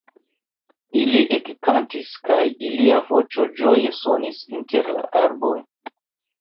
Ili ekkantis, kaj ilia voĉo ĝoje sonis inter la arboj.